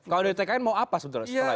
kalau dtkn mau apa sebetulnya